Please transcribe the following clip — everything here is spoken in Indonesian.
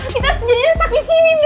kita sejajarnya stuck disini